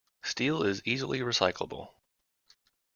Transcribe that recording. Steel is easily recyclable.